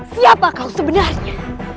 siapa kau sebenarnya